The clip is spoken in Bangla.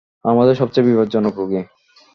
আমাদের সবচেয়ে বিপজ্জনক রোগী।